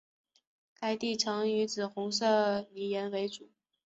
该地层以紫红色泥岩为主。